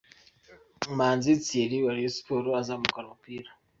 Manzi Thierry wa Rayon Sports azamukana umupira.